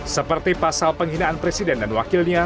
seperti pasal penghinaan presiden dan wakilnya